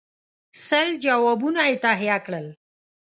سل جوابونه یې تهیه کړل.